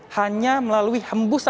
hanya melalui hembungan